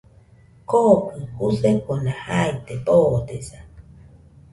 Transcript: Kokɨ jusefona jaide boodesa.